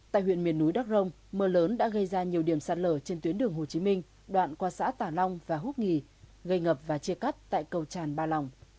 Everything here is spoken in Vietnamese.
tại huyện miền núi đắc rông mưa lớn đã gây ra nhiều điểm sạt lở trên tuyến đường hồ chí minh đoạn qua xã tả long và húc nghì gây ngập và chia cắt tại cầu tràn ba lòng